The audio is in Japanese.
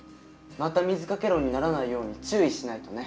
また水掛け論にならないように注意しないとね。